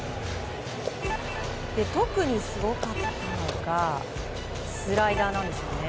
特にすごかったのがスライダーなんですね。